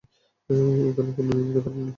এখানে কোনও নিয়মনীতি খাটে না।